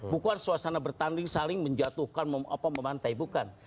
bukan suasana bertanding saling menjatuhkan memantai bukan